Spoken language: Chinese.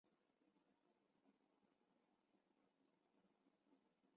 沙尔穆瓦尔。